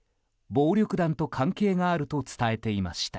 暴力団と関係があると伝えていました。